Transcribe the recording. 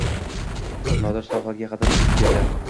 Nodir sohilga qadar suzib keldi